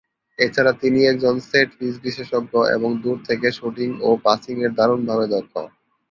এছাড়া তিনি একজন সেট-পিস বিশেষজ্ঞ এবং দূর থেকে শুটিং ও পাসিং-এ দারুণভাবে দক্ষ।